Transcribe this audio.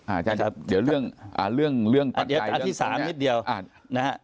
อ่าจะเดี๋ยวเรื่องอ่าเรื่องเรื่องอ่าที่สามนิดเดียวอ่านะฮะ